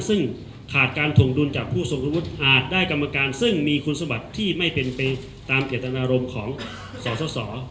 ซึ่งขาดการถวงดุลจากผู้ทรงคุณวุฒิอาจได้กรรมการซึ่งมีคุณสมบัติที่ไม่เป็นไปตามเจตนารมณ์ของสส